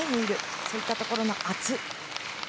そういったところの圧。